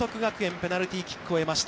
ペナルティーキックを得ました。